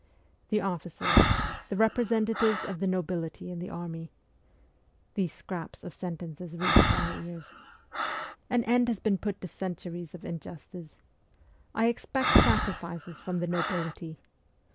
' The officers ... the representatives of the nobility in the army ' these scraps of sentences reached our ears 'an end has been put to centuries of injustice .... I expect sacrifices from the nobility